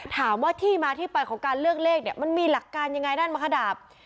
ถามว่าที่มาที่ไปของการเลือกเลขเนี่ยมันมีหลักการยังไงด้านมัคะดาบ